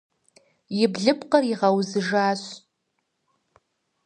И блыпкъыр игъэузыжащ.